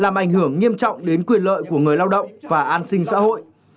làm ảnh hưởng nghiêm trọng đến quyền lợi của người lao động và an sinh xã hội